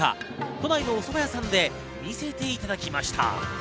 都内のおそば屋さんで見せていただきました。